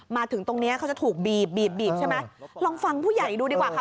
มาถึงตรงเนี้ยเขาจะถูกบีบบีบบีบใช่ไหมลองฟังผู้ใหญ่ดูดีกว่าค่ะ